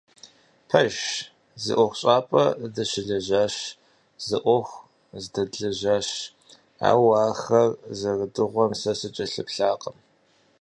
Пэжщ, зы ӀуэхущӀапӀэ дыщылэжьащ, зы Ӏуэху здэдлэжьащ, ауэ ахэр зэрыдыгъуэм сэ сыкӀэлъыплъакъым.